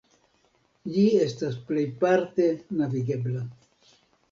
Ĝi estas plejparte navigebla.